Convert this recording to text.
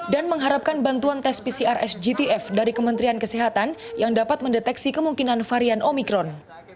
mengharapkan bantuan tes pcr sgtf dari kementerian kesehatan yang dapat mendeteksi kemungkinan varian omikron